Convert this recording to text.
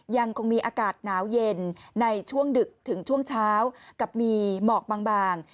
ยังคงมีอากาศหนาวเย็นในช่วงดึกถึงช่วงเช้ากับมีหมอกบาง